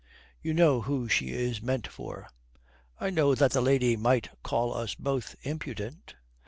"You know who she is meant for." "I know that the lady might call us both impudent."